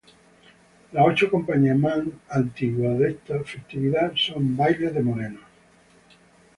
Las ocho compañías más antiguas de esta festividad, son bailes de Morenos.